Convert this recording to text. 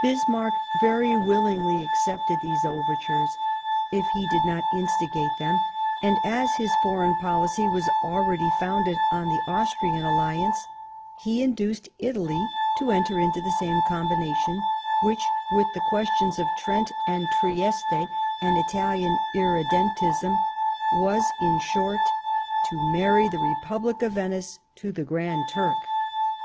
Bismarck very willingly accepted these overtures, if he did not instigate them, and, as his foreign policy was already founded on the Austrian Alliance, he in duced Italy to enter into the same combination, which, with the questions of Trent and Trieste, and Italian " Irredentism " was, in short, to marry the Republic of Venice to the Grand Turk.